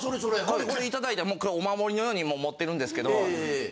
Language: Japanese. これ頂いた今日お守りのように持ってるんですけど。